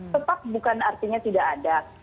tetap bukan artinya tidak ada